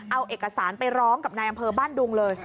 เอาเอกสารไปร้องกับนายอำเภอบ้านดุงเลย